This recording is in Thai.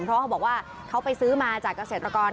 เพราะเขาบอกว่าเขาไปซื้อมาจากเกษตรกร